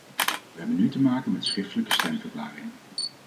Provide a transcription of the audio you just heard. We hebben nu te maken met schriftelijke stemverklaringen.